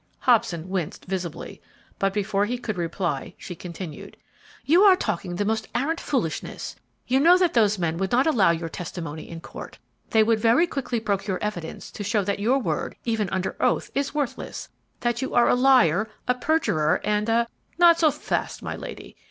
Hobson winced visibly, but before he could reply she continued: "You are talking the most arrant foolishness. You know that those men would not allow your testimony in court; they would very quickly procure evidence to show that your word, even under oath, is worthless; that you are a liar, a perjurer and a " "Not so fast, not so fast, my lady.